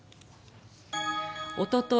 おととい